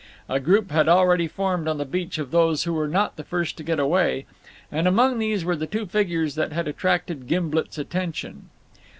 A group had already formed on the beach of those who were not the first to get away, and among these were the two figures that had attracted Gimblet's attention.